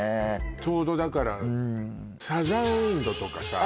ちょうどだから「サザン・ウインド」とかさあ